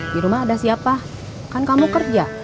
di rumah ada siapa kan kamu kerja